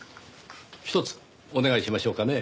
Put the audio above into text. ひとつお願いしましょうかねぇ。